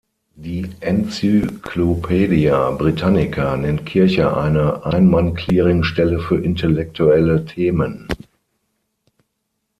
Die "Encyclopædia Britannica" nennt Kircher eine „Ein-Mann-Clearingstelle für intellektuelle Themen“.